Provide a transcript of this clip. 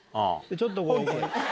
ちょっとこう。